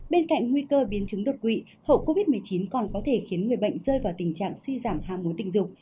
bên cạnh nguy cơ biến chứng đột quỵ hậu covid một mươi chín còn có thể khiến người bệnh rơi vào tình trạng suy giảm ham muốn tình dục